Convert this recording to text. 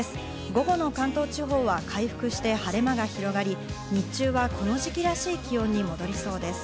午後の関東地方は回復して晴れ間が広がり、日中はこの時期らしい気温に戻りそうです。